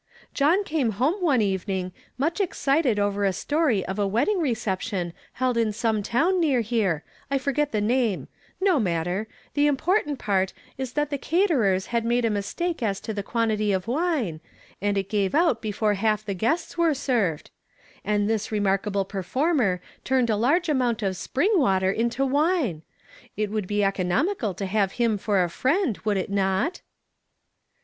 John came home one evening, nuich excited over a story of a wedding reception held in some town near here, I forget the name no matter ; the important part is that the caterei's had made a mistake as to the quantity of wine, and it gave out before half the guests were served ; '•TIlKltK IS NO I5KAUTY. 127 and this re nrkaMo iK'rfonner tunicd a larj^<j amount of N|.rin^' water into \vin«; ! It would 1h! ccononiiiuil to have; liini I'or a I'riund, would it not?"